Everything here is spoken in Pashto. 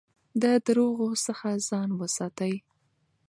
د درواغو څخه ځان وساتئ.